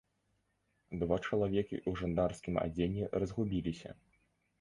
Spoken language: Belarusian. Два чалавекі ў жандарскім адзенні разгубіліся.